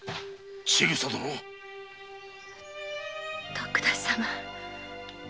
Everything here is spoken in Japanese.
徳田様。